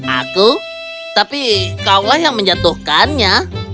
aku tapi kau lah yang menjatuhkannya